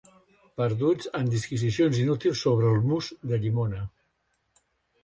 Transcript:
Perduts en disquisicions inútils sobre el mousse de llimona.